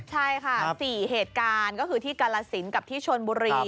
ใช่ค่ะ๔เหตุการณ์ก็คือที่กาลสินกับที่ชนบุรี